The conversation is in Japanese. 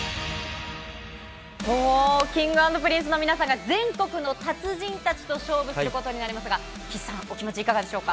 おー、Ｋｉｎｇ＆Ｐｒｉｎｃｅの皆さんが全国の達人たちと勝負することになりますが、岸さん、お気持ちいかがでしょうか。